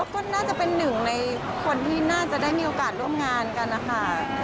ก็น่าจะเป็นหนึ่งในคนที่น่าจะได้มีโอกาสร่วมงานกันนะคะ